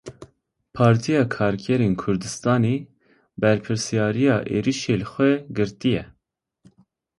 Partiya Karkerên Kurdistanê berpirsyariya êrişê li xwe girtiye.